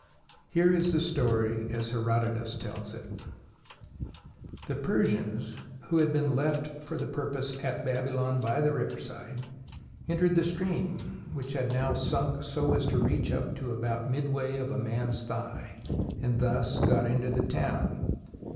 Here is the story as Herodotus tells it: " The Persians, who had been left for the purpose at Babylon by the river side, entered the stream, which had now sunk so as to reach up to about mid way of a man's thigh, and thus got into the town.